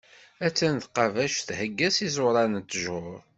A-tt-an tqabact thegga s iẓuran n ṭṭjuṛ.